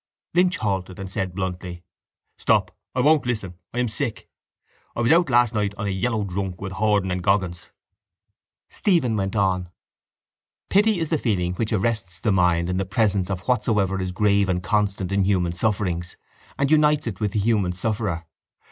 Lynch halted and said bluntly: —Stop! I won't listen! I am sick. I was out last night on a yellow drunk with Horan and Goggins. Stephen went on: —Pity is the feeling which arrests the mind in the presence of whatsoever is grave and constant in human sufferings and unites it with the human sufferer.